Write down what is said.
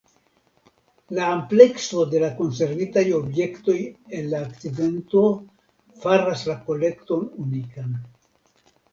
La amplekso de la konservitaj objektoj el la akcidento faras la kolekton unikan.